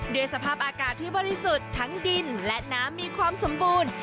สภาพอากาศที่บริสุทธิ์ทั้งดินและน้ำมีความสมบูรณ์